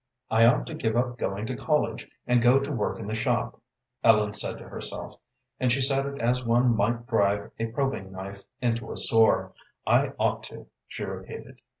"I ought to give up going to college, and go to work in the shop," Ellen said to herself, and she said it as one might drive a probing knife into a sore. "I ought to," she repeated.